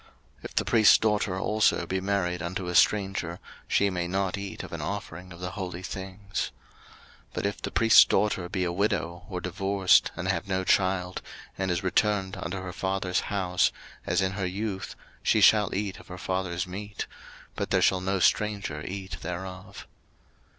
03:022:012 If the priest's daughter also be married unto a stranger, she may not eat of an offering of the holy things. 03:022:013 But if the priest's daughter be a widow, or divorced, and have no child, and is returned unto her father's house, as in her youth, she shall eat of her father's meat: but there shall be no stranger eat thereof.